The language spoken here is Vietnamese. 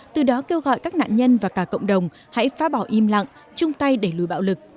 từ đó kêu gọi các nạn nhân và cả cộng đồng hãy phá bỏ im lặng chung tay đẩy lùi bạo lực